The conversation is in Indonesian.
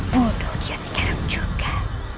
bunuh dia sekarang juga